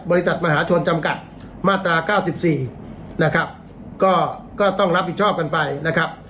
บริษัทมหาชนจำกัดมาตราเก้าสิบสี่นะครับก็ก็ต้องรับผิดชอบกันไปนะครับ